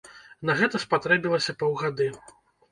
На гэта спатрэбілася паўгады.